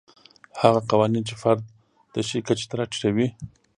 هغه قوانین چې فرد د شي کچې ته راټیټوي.